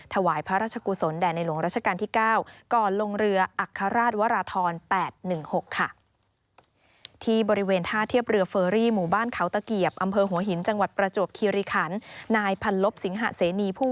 ถวายพระราชกุศลแด่ในหลวงราชกาลที่๙